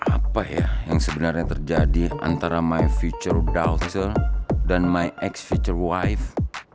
apa ya yang sebenarnya terjadi antara my future doutor dan my ex future wif